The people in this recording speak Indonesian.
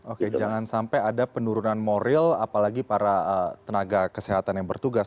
oke jangan sampai ada penurunan moral apalagi para tenaga kesehatan yang bertugas